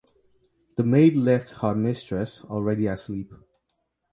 The maid left her mistress already asleep.